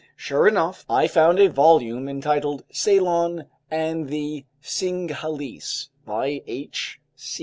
Sure enough, I found a volume entitled Ceylon and the Singhalese by H.